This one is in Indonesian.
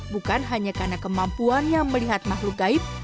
bukan hanya karena kemampuannya melihat makhluk gaib